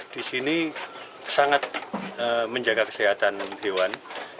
di sini sangat menjaga kesehatan hewan